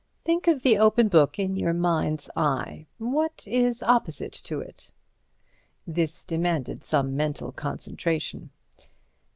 Think of the open book in your mind's eye. What is opposite to it?" This demanded some mental concentration.